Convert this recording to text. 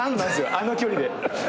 あの距離で。